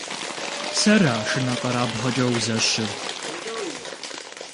Сэра шынэкъэрабгъэкӀэ узэщыр?!